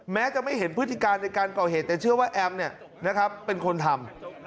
แม้จะไม่เห็นพฤติการในการก่อเหตุแต่เชื่อว่าแอมเป็นคนทำ